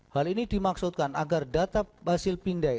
hal ini dimaksudkan agar data hasil pindai